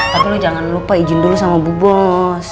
tapi lu jangan lupa izin dulu sama bu bos